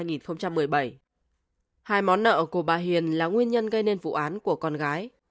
hai món nợ của bà hiền là nguyên nhân gây nên vụ án của con gái